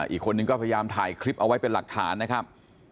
อีกคนนึงก็พยายามถ่ายคลิปเอาไว้เป็นหลักฐานนะครับ